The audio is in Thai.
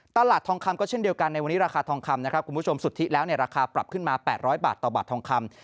ตลาดทองคำก็เช่นเดียวกันในวันนี้ราคาทองคำนะครับคุณผู้ชมสุทธิแล้วราคาปรับขึ้นมา๘๐๐บาทต่อบาททองคำ